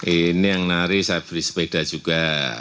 ini yang nari saya beli sepeda juga